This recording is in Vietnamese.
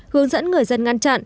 hướng dẫn người dân ngăn chế